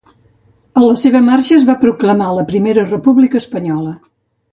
A la seva marxa es va proclamar la Primera República Espanyola.